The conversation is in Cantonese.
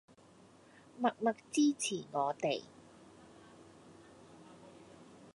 默默支持我哋